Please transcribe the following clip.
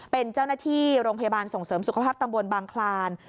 เป็นเจ้าหน้าที่โรงพยาบาลส่งเสริมสุขภาพตำบลบางคลาน